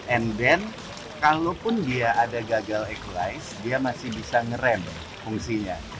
and then kalaupun dia ada gagal eklis dia masih bisa ngeram fungsinya